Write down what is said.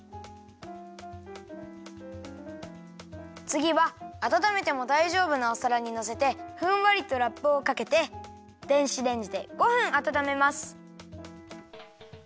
つぎはあたためてもだいじょうぶなおさらにのせてふんわりとラップをかけて電子レンジで５分あたためます。